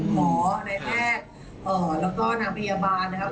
หมอนายแพทย์แล้วก็นางพยาบาลนะครับ